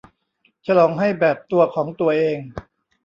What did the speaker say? ฉลองให้แบบตัวของตัวเอง